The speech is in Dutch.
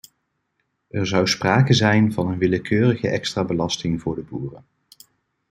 Er zou sprake zijn van een willekeurige extra belasting voor de boeren.